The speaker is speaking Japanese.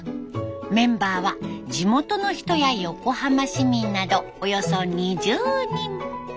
メンバーは地元の人や横浜市民などおよそ２０人。